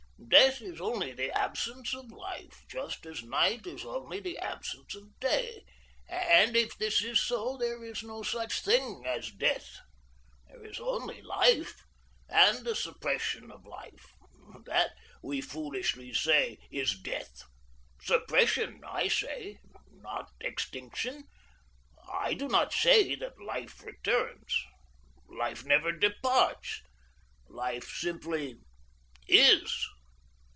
Death is only the absence of life, just as night is only the absence of day, and if this is so, there is no such thing as death. There is only life, and the suppression of life, that we, foolishly, say is death. 'Suppression,' I say, not extinction. I do not say that life returns. Life never departs. Life simply IS.